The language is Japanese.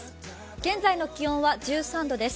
現在の気温は１３度です。